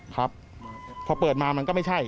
ครับพอเปิดมามันก็ไม่ใช่